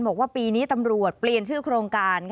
บอกว่าปีนี้ตำรวจเปลี่ยนชื่อโครงการ